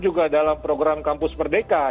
juga dalam program kampus merdeka